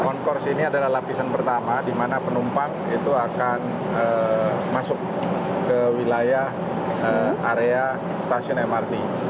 oncourse ini adalah lapisan pertama di mana penumpang itu akan masuk ke wilayah area stasiun mrt